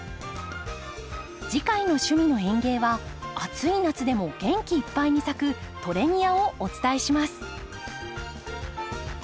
次回の「趣味の園芸」は暑い夏でも元気いっぱいに咲くトレニアをお伝えします。